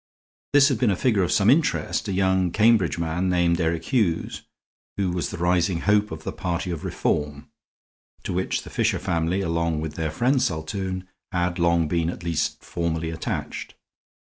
This had been a figure of some interest a young Cambridge man named Eric Hughes who was the rising hope of the party of Reform, to which the Fisher family, along with their friend Saltoun, had long been at least formally attached.